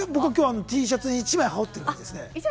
Ｔシャツに１枚、半袖を羽織ってる感じです。